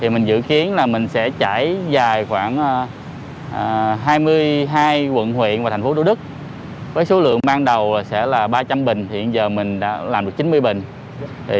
mình dự kiến là mình sẽ trải dài khoảng hai mươi hai quận huyện và thành phố thủ đức với số lượng ban đầu sẽ là ba trăm linh bình hiện giờ mình đã làm được chín mươi bình